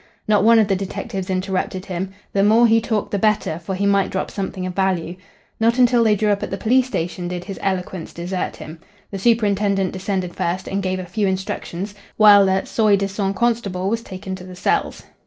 Not one of the detectives interrupted him. The more he talked the better, for he might drop something of value. Not until they drew up at the police station did his eloquence desert him. The superintendent descended first and gave a few instructions, while the soi disant constable was taken to the cells.